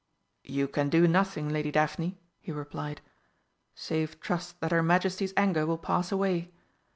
"You can do nothing, Lady Daphne," he replied, "save trust that her Majesty's anger will pass away.